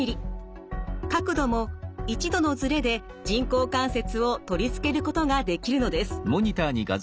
角度も１度のズレで人工関節を取り付けることができるのです。